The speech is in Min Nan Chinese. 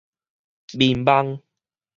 眠夢